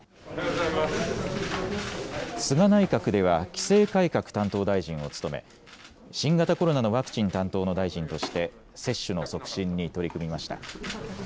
菅内閣では、規制改革担当大臣を務め、新型コロナのワクチン担当の大臣として、接種の促進に取り組みました。